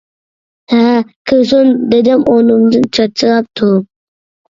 -ھە، كىرسۇن، -دېدىم ئورنۇمدىن چاچراپ تۇرۇپ.